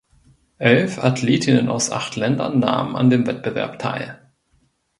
Elf Athletinnen aus acht Ländern nahmen an dem Wettbewerb teil.